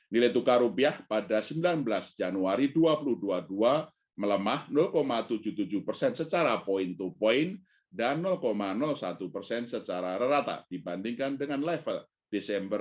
nilai tukar rupiah pada sembilan belas januari dua ribu dua puluh dua melemah tujuh puluh tujuh persen secara point to point dan satu persen secara rata dibandingkan dengan level desember dua ribu dua puluh